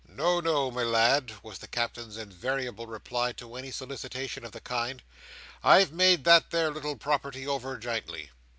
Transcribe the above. "No, no, my lad;" was the Captain's invariable reply to any solicitation of the kind, "I've made that there little property over, jintly."